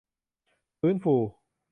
ฟื้นฟู